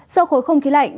sau khối không khí lạnh